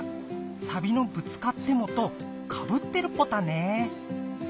サビの「ぶつかっても」とかぶってるポタね